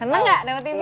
senang enggak dapat tv